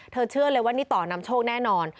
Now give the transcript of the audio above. เชื่อเลยว่านี่ต่อนำโชคแน่นอน